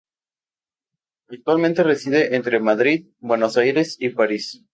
Actualmente reside entre Madrid, Buenos Aires y París.